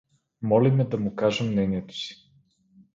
Моли ме да му кажа мнението си.